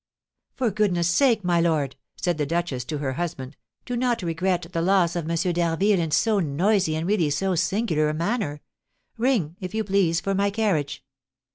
"For goodness' sake, my lord," said the duchess to her husband, "do not regret the loss of M. d'Harville in so noisy and really so singular a manner. Ring, if you please for my carriage."